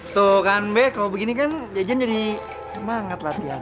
tuh kan bek kalau begini kan jajan jadi semangat latihan